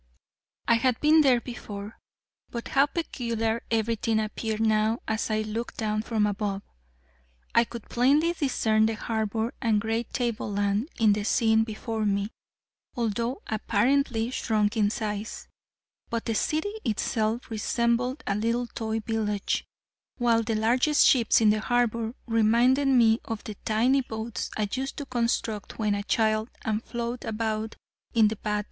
I had been there before. But how peculiar everything appeared now as I looked down from above. I could plainly discern the harbor and great tableland in the scene before me, although apparently shrunk in size, but the city itself resembled a little toy village, while the largest ships in the harbor reminded me of the tiny boats I used to construct when a child and float about in the bath tub.